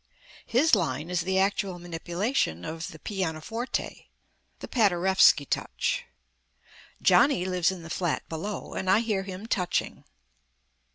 His line is the actual manipulation of the pianoforte the Paderewski touch. Johnny lives in the flat below, and I hear him touching.